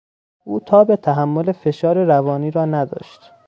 او تاب تحمل فشار روانی را نداشت.